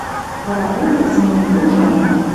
Вара угӹц, мӹньӹм ужын